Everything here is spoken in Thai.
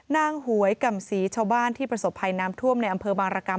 หวยกำศรีชาวบ้านที่ประสบภัยน้ำท่วมในอำเภอบางรกรรม